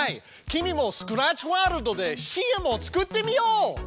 君もスクラッチワールドでＣＭを作ってみよう！